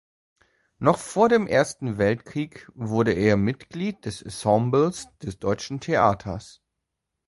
Noch vor dem Ersten Weltkrieg wurde er Mitglied des Ensembles des Deutschen Theaters.